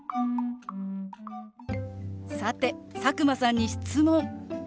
さて佐久間さんに質問。